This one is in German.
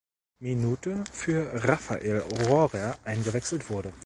Minute für Raphael Rohrer eingewechselt wurde.